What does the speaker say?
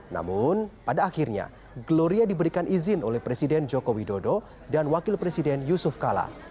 namun pada akhirnya gloria diberikan izin oleh presiden joko widodo dan wakil presiden yusuf kala